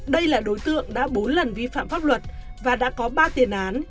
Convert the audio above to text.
đây là đối tượng đã bốn lần vi phạm pháp luật và đã có ba tiền án